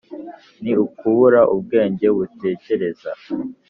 ni ukubura ubwenge butekereza.